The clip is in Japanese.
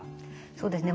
そうですね。